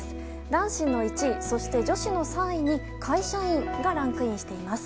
男子の１位、そして女子の３位に会社員がランクインしています。